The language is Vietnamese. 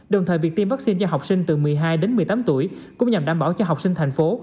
đồng thời việc tiêm vaccine cho học sinh từ một mươi hai đến một mươi tám tuổi cũng nhằm đảm bảo cho học sinh thành phố